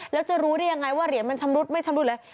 แล้วจะรู้ได้ยังไงว่าเหรียญมันชำรุดไม่ชำรุดเลย